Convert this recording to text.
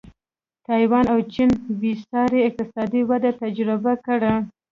تایوان او چین بېسارې اقتصادي وده تجربه کړه.